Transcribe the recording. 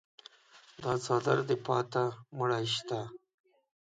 دا څادر دې پاته مړی شته.